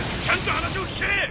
ちゃんと話を聞け！